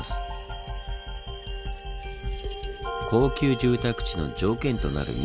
高級住宅地の条件となる緑。